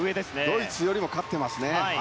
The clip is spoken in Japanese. ドイツよりも勝っていますね。